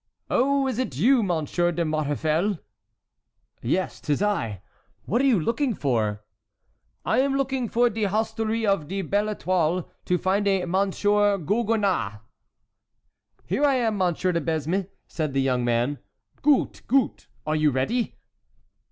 "Oh, is it you, Monsir de Maurefel?" "Yes, 'tis I; what are you looking for?" "I am looking for de hostelry of de Belle Étoile, to find a Monsir Gogonnas." "Here I am, Monsieur de Besme," said the young man. "Goot, goot; are you ready?"